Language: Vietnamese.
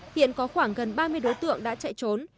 hiện có khoảng gần ba mươi đối tượng đã chạy trốn